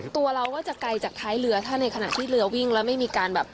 ตัวเราก็จะไกลจากท้ายเรือถ้าในขณะที่เรือวิ่งแล้วไม่มีการแบบ